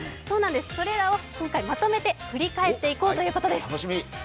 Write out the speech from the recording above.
それらを今回まとめて振り返っていこうということです。